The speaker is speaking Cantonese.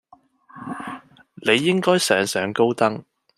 你應該上上高登